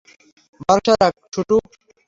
ভরসা রাখ, শুটু!